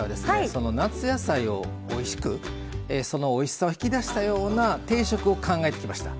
その夏野菜をおいしくそのおいしさを引き出したような定食を考えてきました。